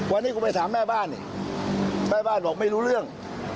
วันนี้กูไปถามแม่บ้านนี่แม่บ้านบอกไม่รู้เรื่อง